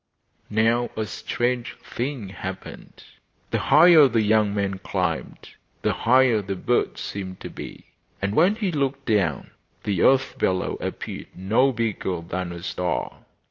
Now a strange thing happened. The higher the young man climbed the higher the birds seemed to be, and when he looked down the earth below appeared no bigger than a star.